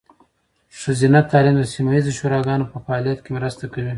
ښځینه تعلیم د سیمه ایزې شوراګانو په فعالتیا کې مرسته کوي.